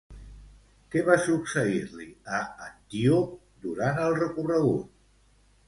Què va succeir-li a Antíope durant el recorregut?